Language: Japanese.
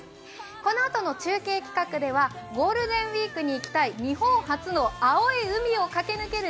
このあとの中継企画ではゴールデンウイークに行きたい日本初の青い海を駆け抜ける